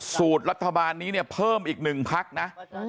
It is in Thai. สูตรรัฐบาลนี้เพิ่มอีกหนึ่งพรรคนะ